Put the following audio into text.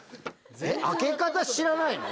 開け方知らないの？